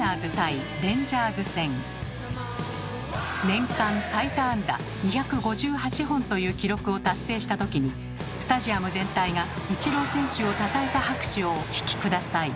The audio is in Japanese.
年間最多安打２５８本という記録を達成した時にスタジアム全体がイチロー選手をたたえた拍手をお聞き下さい。